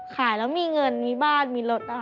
ขายแล้วมีเงินมีบ้านมีรถนะคะ